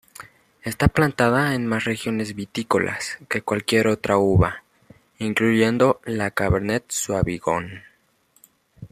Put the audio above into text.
Está plantada en más regiones vitícolas que cualquier otra uva, incluyendo la cabernet sauvignon.